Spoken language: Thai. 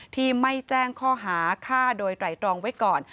ที่ไม่แจ้งข้อหาฆ่าโดยไตรตรองไว้ก่อน